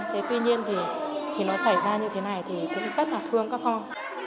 thế tuy nhiên thì nó xảy ra như thế này thì cũng rất là thương các con